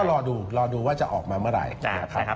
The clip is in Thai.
ก็รอดูรอดูว่าจะออกมาเมื่อไหร่